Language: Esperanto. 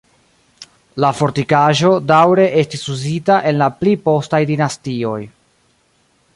La fortikaĵo daŭre estis uzita en la pli postaj dinastioj.